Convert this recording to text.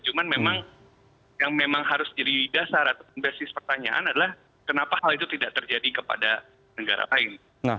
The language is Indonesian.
cuman memang yang memang harus jadi dasar ataupun basis pertanyaan adalah kenapa hal itu tidak terjadi kepada negara lain